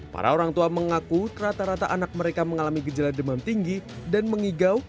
para orang tua mengaku rata rata anak mereka mengalami gejala demam tinggi dan mengigau